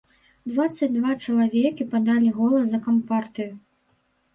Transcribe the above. Дваццаць два чалавекі падалі голас за кампартыю.